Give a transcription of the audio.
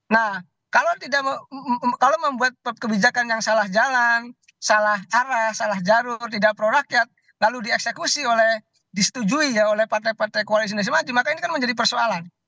nah kalau membuat kebijakan yang salah jalan salah cara salah jalur tidak pro rakyat lalu dieksekusi oleh disetujui ya oleh partai partai koalisi maju maka ini kan menjadi persoalan